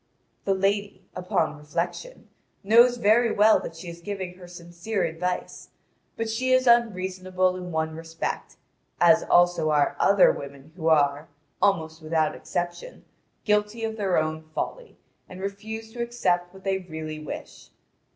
The lady, upon reflection, knows very well that she is giving her sincere advice, but she is unreasonable in one respect, as also are other women who are, almost without exception, guilty of their own folly, and refuse to accept what they really wish.